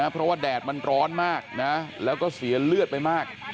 เพราะว่าแดดมันร้อนมากนะแล้วก็เสียเลือดไปมาก